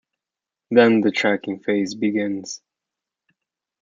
Then the tracking phase begins.